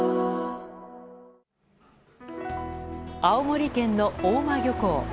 青森県の大間漁港。